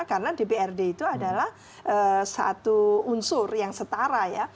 karena dprd itu adalah satu unsur yang setara ya